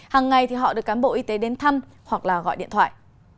hằng ngày họ được cán bộ y tế đến thăm hoặc gọi điện thoại